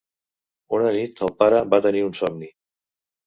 Una nit, el pare va tenir un somni.